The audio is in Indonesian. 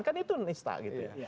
kan itu nista gitu ya